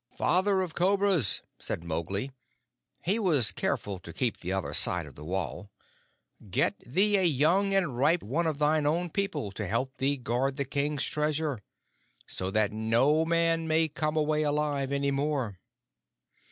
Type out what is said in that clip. "Father of Cobras," said Mowgli (he was careful to keep the other side of the wall), "get thee a young and ripe one of thine own people to help thee guard the King's Treasure so that no man may come away alive any more."